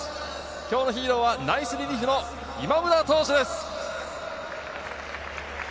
今日のヒーローはナイスリリーフの今村投手です。